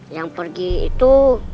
yang pergi itu